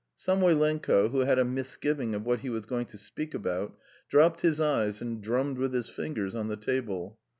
Samoylenko, who had a misgiving of what he was going to speak about, dropped his eyes and drummed with his fingers on the table.